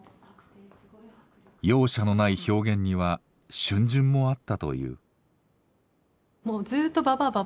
容赦のない表現には逡巡もあったという。